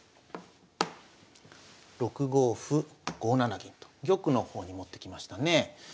６五歩５七銀と玉の方に持ってきましたね。